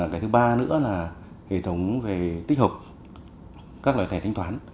cái thứ ba nữa là hệ thống về tích hợp các loại thẻ thanh toán